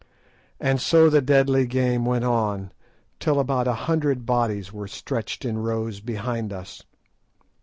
And so the deadly game went on, till about a hundred bodies were stretched in rows behind us.